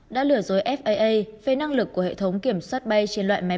đã lừa dối faa về năng lực của hệ thống kiểm soát bay trên loại máy bay này